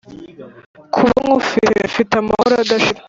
Kuba nkufite mfite amahoro adashira